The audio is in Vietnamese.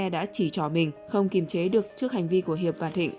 xe đã chỉ trỏ mình không kìm chế được trước hành vi của hiệp và thịnh